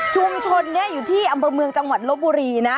ชุมชนนี้อยู่ที่อำเภอเมืองจังหวัดลบบุรีนะ